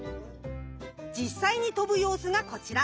実際に飛ぶ様子がこちら。